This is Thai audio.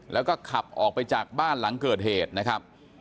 แล้วก็ขับออกไปจากบ้านหลังเกิดเหตุนะครับ